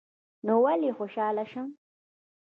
نو ولي خوشحاله شم